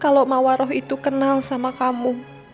kalau mawaroh itu kenal sama kamu